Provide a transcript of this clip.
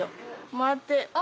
回って。